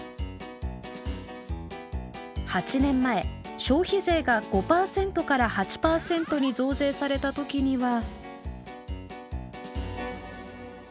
８年前消費税が５％から８％に増税された時には。